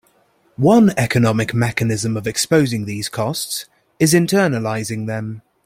One economic mechanism of exposing these costs is internalizing them.